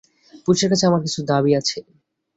পুলিশের কাছে আমার কিছু দাবি আছে।